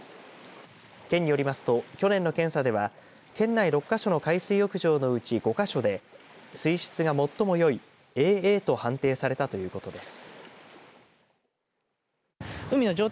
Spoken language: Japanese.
県によりますと、去年の検査では県内６か所の海水浴場のうち５か所で水質が最もよいＡＡと判定されたということです。